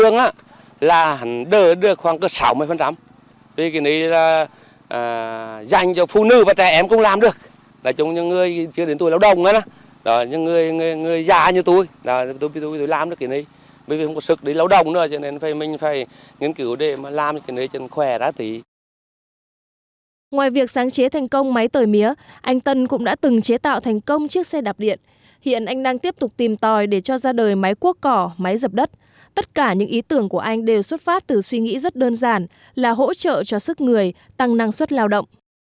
ngoài việc sáng chế thành công máy tời mía anh tân cũng đã từng chế tạo thành công chiếc xe đạp điện hiện anh đang tiếp tục tìm tòi để cho ra đời máy cuốc cỏ máy dập đất tất cả những ý tưởng của anh đều xuất phát từ suy nghĩ rất đơn giản là hỗ trợ cho sức người tăng năng suất lao động